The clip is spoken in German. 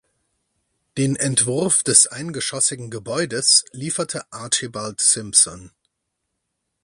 Den Entwurf des eingeschossigen Gebäudes lieferte Archibald Simpson.